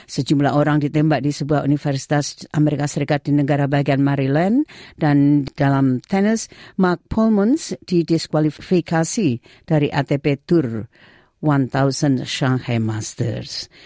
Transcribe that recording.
sejumlah orang ditembak di sebuah universitas amerika serikat di negara bagian maryland dan dalam tenis mark paulments didiskualifikasi dari atp tour seratus shanghai masters